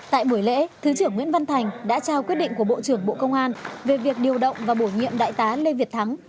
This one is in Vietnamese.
tại buổi lễ thứ trưởng nguyễn văn thành đã trao quyết định của bộ trưởng bộ công an về việc điều động và bổ nhiệm đại tá lê việt thắng